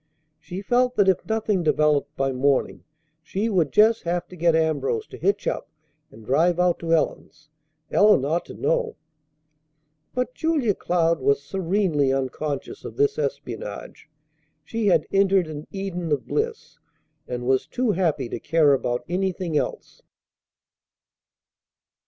She felt that if nothing developed by morning she would just have to get Ambrose to hitch, up and drive out to Ellen's. Ellen ought to know. But Julia Cloud was serenely unconscious of this espionage. She had entered an Eden of bliss, and was too happy to care about anything else.